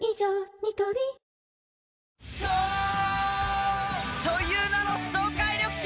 ニトリ颯という名の爽快緑茶！